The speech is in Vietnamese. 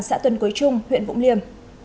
xã tuần quế trung huyện vũng liêm